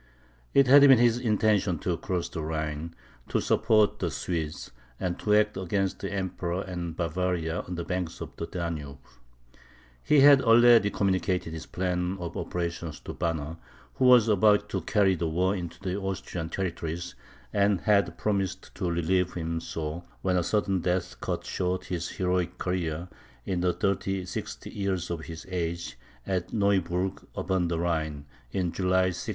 It had been his intention to cross the Rhine, to support the Swedes, and to act against the Emperor and Bavaria on the banks of the Danube. He had already communicated his plan of operations to Banner, who was about to carry the war into the Austrian territories, and had promised to relieve him so, when a sudden death cut short his heroic career, in the 36th year of his age, at Neuburgh upon the Rhine (in July, 1639).